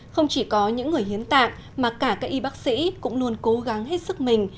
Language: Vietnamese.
không chỉ có những người hiến tạng mà cả các y bác sĩ cũng luôn cố gắng hết sức mình